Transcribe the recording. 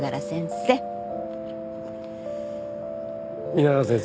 皆川先生。